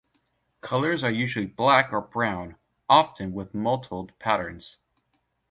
Colors are usually black or brown, often with mottled patterns.